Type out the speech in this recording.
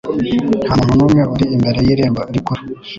Nta muntu n'umwe uri imbere y'irembo rikuru